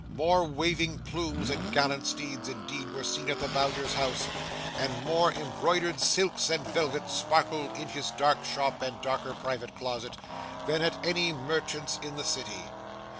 More waving plumes and gallant steeds, indeed, were seen at the Bowyer's house, and more embroidered silks and velvets sparkled in his dark shop and darker private closet, than at any merchants in the city.